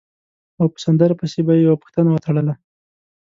او په سندره پسې به یې یوه پوښتنه وتړله.